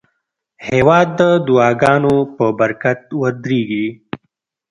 هېواد د دعاګانو په برکت ودریږي.